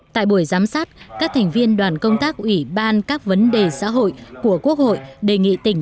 tại buổi giám sát các thành viên đoàn công tác ủy ban các vấn đề xã hội của quốc hội đề nghị tỉnh